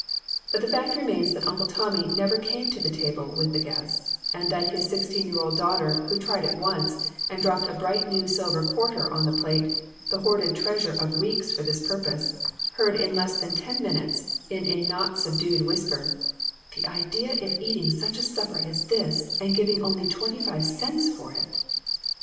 But the fact remains that Uncle Tommy never came to the table with the guests ; and that his sixteen year old daughter, who tried it once, and dropped a bright new silver quarter on the plate, the hoarded treasure of weeks for this purpose, heard in less than ten minutes, in a not subdued whisper "The idea of eating such a supper as this, and giving only twenty five cents for it